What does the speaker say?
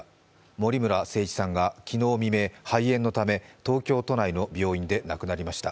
森村誠一さんが昨日未明、肺炎のため東京都内の病院で亡くなりました。